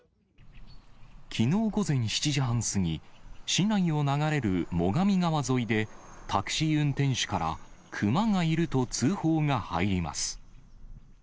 きのう午前７時半過ぎ、市内を流れる最上川沿いで、タクシー運転手からクマがいると通報が入ります。